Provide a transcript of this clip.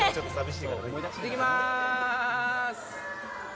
行ってきまーす！